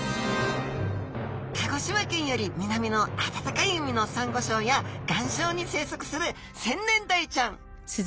鹿児島県より南の暖かい海のサンゴ礁や岩礁に生息するセンネンダイちゃん